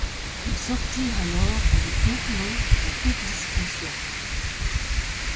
Ils sortirent alors du campement en toute discrétion.